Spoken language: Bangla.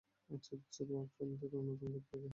আচার্য্য ব্রাহ্মণদের অন্যতম ব্যক্তিবর্গ হলো।